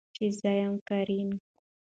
چې زه يمه کريم .